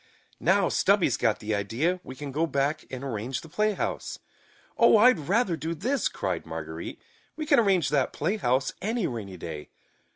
"Now, Stubby's got the idea, we can go back and arrange the playhouse." "Oh, I'd rather do this!" cried Marguerite. "We can arrange that playhouse any rainy day."